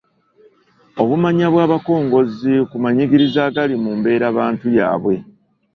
Obumanya bw’abakongozzi ku manyigiriza agali mu mbeerabantu yaabwe